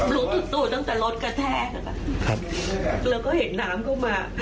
ลุกตุ๊ดตั้งแต่รถกระแทงครับครับแล้วก็เห็นน้ำเข้ามา